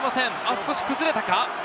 少し崩れたか。